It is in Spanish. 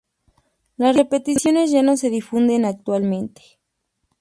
Las repeticiones ya no se difunden actualmente.